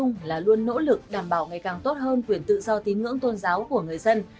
nỗ lực đảm bảo ngày càng tốt hơn quyền tự do tín ngưỡng tôn giáo của người dân